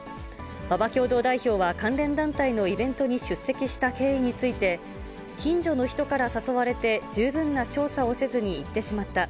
馬場共同代表は、関連団体のイベントに出席した経緯について、近所の人から誘われて十分な調査をせずに行ってしまった。